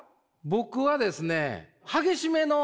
僕はですね